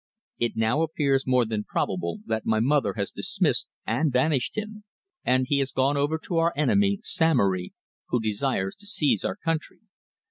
It now appears more than probable that my mother has dismissed and banished him, and he has gone over to our enemy, Samory, who desires to seize our country."